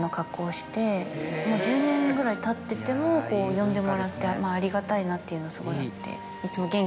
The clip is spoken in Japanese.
もう１０年ぐらいたっててもこう呼んでもらってありがたいなっていうのすごいあって。